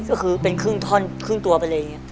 ก็คือเป็นครึ่งท่อนครึ่งตัวไปเลยอย่างนี้